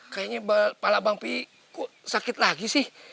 kayaknya kepala bang pih kok sakit lagi sih